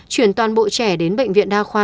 chuyển toàn bộ trẻ đến bệnh viện đa khoa